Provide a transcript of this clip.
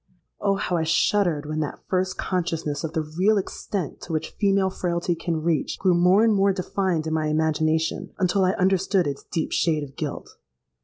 Oh! how I shuddered when that first consciousness of the real extent to which female frailty can reach, grew more and more defined in my imagination, until I understood its deep shade of guilt.